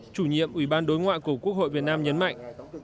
chủ nhiệm ủy ban đối ngoại của quốc hội việt nam nhấn mạnh